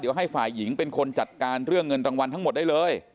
เดี๋ยวให้ฝ่ายหญิงเป็นคนจัดการเรื่องเงินรางวัลทั้งหมดได้เลย